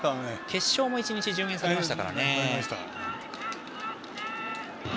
決勝も１日順延されました。